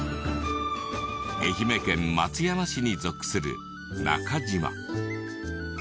愛媛県松山市に属する中島。